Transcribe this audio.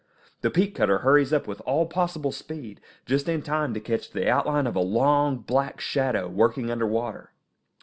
The peat cutter hurries up with all possible speed, just in time to catch the outline of a long, black shadow, working under water.